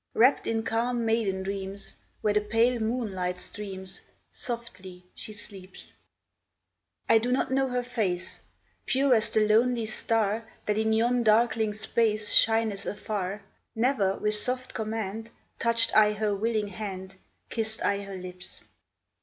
Wrapped in calm maiden dreams, Where the pale moonlight streams, Softly she sleeps. I do not know her face, Pure as the lonely star That in yon darkling space Shineth afar ; Never with soft command Touched I her willing hand, Kissed I her lips.